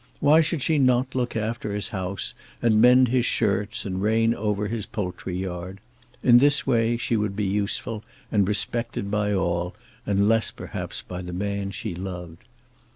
Why should she not look after his house, and mend his shirts, and reign over his poultry yard? In this way she would be useful, and respected by all, unless perhaps by the man she loved.